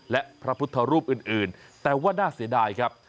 และพระพุทธรูปอื่นแต่ว่าน่าเสียดายครับ